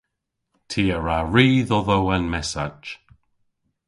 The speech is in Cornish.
Ty a wra ri dhodho an messach.